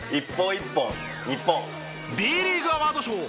Ｂリーグアワードショー。